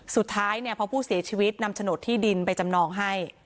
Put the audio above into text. สุดท้ายเนี่ยพอผู้เสียชีวิตนำโฉนดที่ดินไปจำนองให้